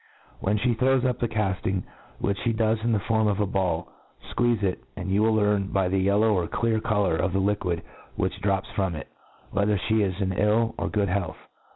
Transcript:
When fhc throws up the cafting, which flie do^s in the form of a ball, fqueeze it, and you will learn by the yellow or clear co lour of the liquid which drops from it, whether Ihe is in ill or good health.